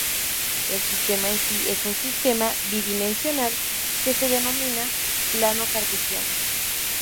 El sistema en sí es un sistema bidimensional, que se denomina plano cartesiano.